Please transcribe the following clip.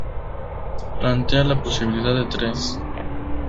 Plantea la posibilidad de tres.